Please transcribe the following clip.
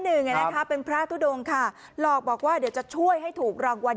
หนึ่งนะคะเป็นพระทุดงค่ะหลอกบอกว่าเดี๋ยวจะช่วยให้ถูกรางวัล